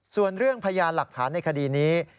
ส่วนเรื่องพยานหลักฐานในคดีนี้